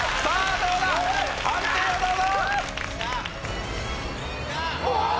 どうだ判定をどうぞ！